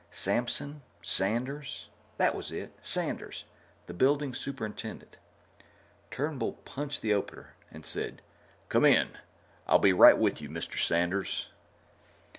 Samson? Sanders. That was it, Sanders, the building superintendent. Turnbull punched the opener and said: "Come in. I'll be right with you, Mr. Sanders."